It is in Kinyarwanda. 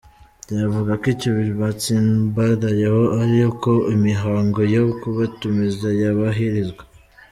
Bavuga ko icyo batsimbarayeho ari uko imihango yo kubatumiza yubahirizwa.